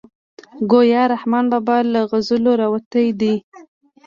ګویا رحمان بابا له غزلو راوتی دی.